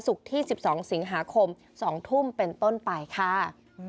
ศุกร์ที่๑๒สิงหาคม๒ทุ่มเป็นต้นป่ายค่า